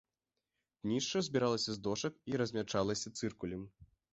Днішча збіралася з дошак і размячалася цыркулем.